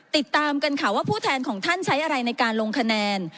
ติดตามกันค่ะว่าผู้แทนของท่านใช้อะไรในการลงคะแนน